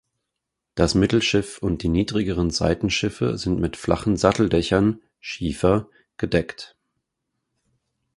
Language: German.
Das Mittelschiff und die niedrigeren Seitenschiffe sind mit flachen Satteldächern (Schiefer) gedeckt.